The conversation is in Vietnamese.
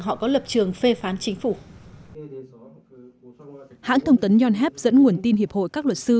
họ có lập trường phê phán chính phủ hãng thông tấn yonhap dẫn nguồn tin hiệp hội các luật sư